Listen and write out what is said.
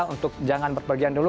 untuk jangan berpergian dulu